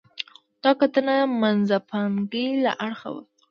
دا کتنه د منځپانګې له اړخه وه.